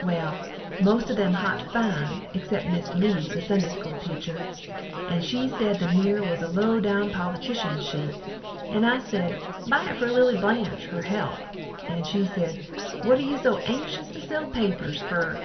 Well most of them hot fine exept miss Leigh the Sunday school teacher, and she sed the Mirror was a low down politishuns sheet and I sed buy it fer Lily Blanche her help, and she sed what are you so ankshus to sell papers fer?